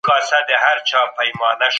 مسافرۍ کي دي ايره سولم راټول مي کړي څوک!؟